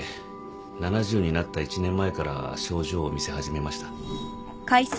７０になった１年前から症状を見せ始めました。